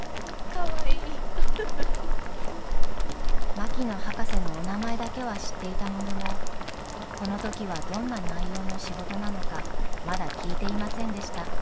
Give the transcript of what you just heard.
槙野博士のお名前だけは知っていたもののこの時はどんな内容の仕事なのかまだ聞いていませんでした